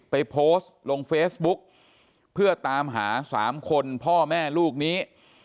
ไปโพสต์ลงเฟซบุ๊กเพื่อตามหา๓คนพ่อแม่ลูกนี้